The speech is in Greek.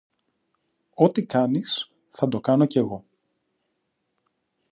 Ό,τι κάνεις, θα το κάνω κι εγώ.